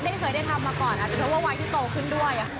ไม่เคยได้ทำมาก่อนแต่ว่าวันที่โตขึ้นด้วยอ่ะ